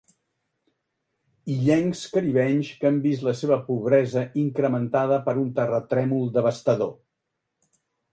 Illencs caribenys que han vist la seva pobresa incrementada per un terratrèmol devastador.